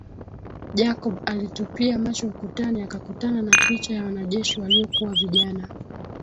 Jacob alitupia macho ukutani akakutana na picha ya wanajeshi waliokuwa vijana